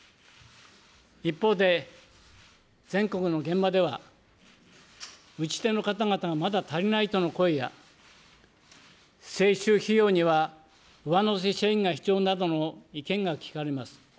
一方で、全国の現場では、打ち手の方々がまだ足りないとの声や、接種費用には上乗せが必要などの意見が聞かれます。